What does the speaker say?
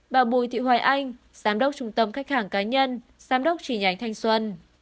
bà bùi thị hoài anh giám đốc trung tâm khách hàng cá nhân giám đốc tri nhánh thanh xuân